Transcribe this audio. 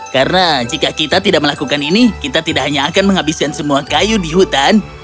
karena jika kita tidak melakukan ini kita tidak hanya akan menghabiskan semua kayu di hutan